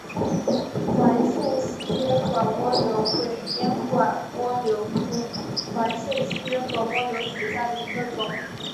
环线细烟管蜗牛为烟管蜗牛科环线细烟管蜗牛属下的一个种。